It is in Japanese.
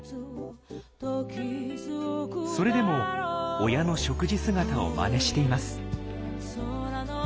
それでも親の食事姿をまねしています。